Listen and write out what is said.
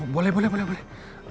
boleh boleh boleh